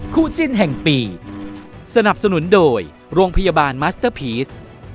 คู่จิ้นแห่งปีสนับสนุนโดยโรงพยาบาลมัสเตอร์พีช